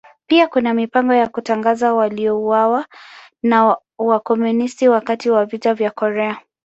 Pia kuna mipango ya kutangaza waliouawa na Wakomunisti wakati wa Vita vya Korea.